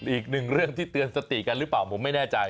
อีกหนึ่งเรื่องที่เตือนสติกันหรือเปล่าผมไม่แน่ใจ